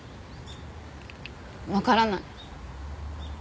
わからない。